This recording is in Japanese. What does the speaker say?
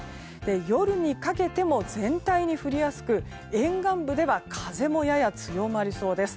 夜にかけても全体に降りやすく沿岸部では風もやや強まりそうです。